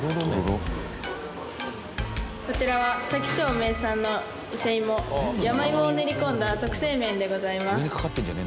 こちらは多気町名産の伊勢イモ山芋を練り込んだ特製麺でございます。